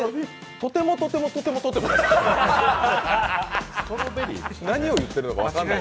とても、とても、とても、とてもじゃない。